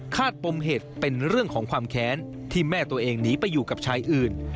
ปมเหตุเป็นเรื่องของความแค้นที่แม่ตัวเองหนีไปอยู่กับชายอื่น